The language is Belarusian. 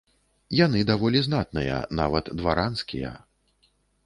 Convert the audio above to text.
Яны даволі знатныя, нават дваранскія.